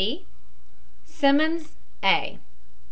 E. SIMMONS, A.